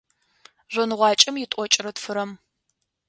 Жъоныгъуакӏэм итӏокӏрэ тфырэм.